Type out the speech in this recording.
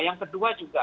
yang kedua juga